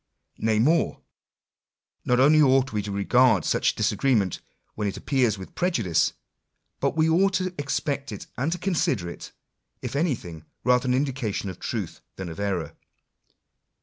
Nay more : not only ought we to regard such disagreement, x when it appears, without prejudice ; but we ought to expect it ; and to consider it, if anything, rather an indication of truth ; than of error.